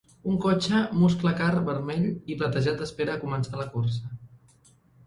Un cotxe "muscle car" vermell i platejat espera a començar la cursa.